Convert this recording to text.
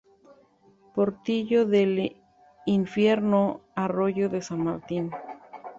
Portillo de "El Infierno", arroyo de "San Martín".